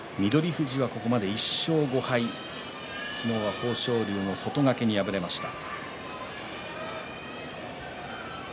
富士はここまで１勝５敗昨日は豊昇龍の外掛けに敗れました。